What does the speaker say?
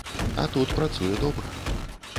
А тут працуе добра.